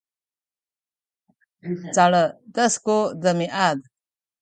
caledes ku demiad